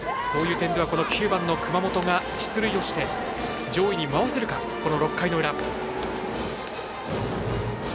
そういう点ではこの９番の熊本が出塁をして上位に回せるか、６回の裏。